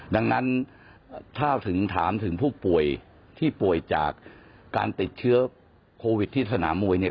ดังนั้นถ้าถึงถามถึงผู้ป่วยที่ป่วยจากการติดเชื้อโควิดที่สนามมวยเนี่ย